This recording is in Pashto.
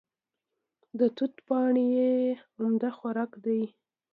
د توت پاڼې یې عمده خوراک دی.